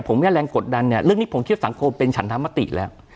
ผมเนี่ยแรงกดดันเนี่ยเรื่องนี้ผมเทียบสังคมเป็นฉันธรรมติแล้ว